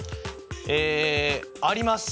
えあります。